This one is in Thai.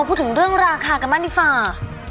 เออผู้ถึงเรื่องราคากับมาธิฟา